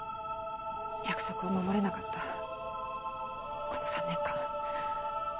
約束を守れなかったこの３年間。